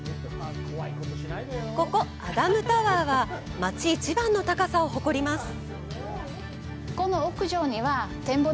ここアダムタワーは街一番の高さを誇ります。